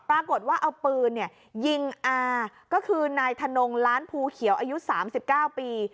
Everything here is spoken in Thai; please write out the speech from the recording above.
ปรากฏว่าเอาปืนเนี้ยยิงอ่าก็คือนายถนงล้านภูเขียวอายุสามสิบเก้าปี